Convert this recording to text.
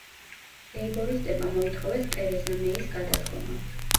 ლეიბორისტებმა მოითხოვეს ტერეზა მეის გადადგომა.